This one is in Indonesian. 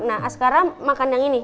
nah askara makan yang ini